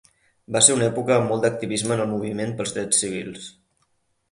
Va ser una època amb molt d'activisme en el moviment pels drets civils.